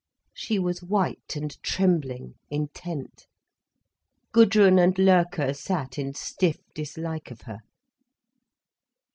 She was white and trembling, intent. Gudrun and Loerke sat in stiff dislike of her.